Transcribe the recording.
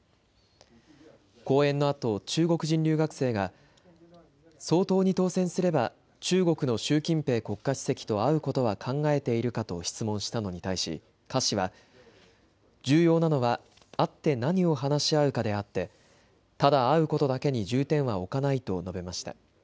講演のあと中国人留学生が総統に当選すれば中国の習近平国家主席と会うことは考えているかと質問したのに対し柯氏は重要なのは会って何を話し合うかであって、ただ会うことだけに重点は置かないと述べました。